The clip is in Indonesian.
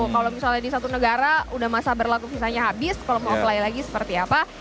kalau misalnya di satu negara udah masa berlaku visanya habis kalau mau apply lagi seperti apa